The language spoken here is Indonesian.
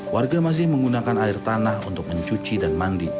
warga masih menggunakan air tanah untuk mencuci dan mandi